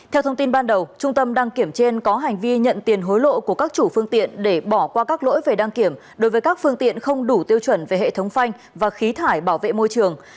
theo thông tin ban đầu trung tâm đăng kiểm trên có hành vi nhận tiền hối lộ của các chủ phương tiện để bỏ qua các lỗi về đăng kiểm đối với các phương tiện không đủ tiêu chuẩn về hệ thống phanh và khí thải bảo vệ môi trường